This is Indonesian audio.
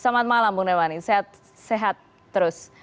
selamat malam bu ngren warin sehat terus